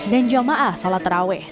dan jamaah salat tarawih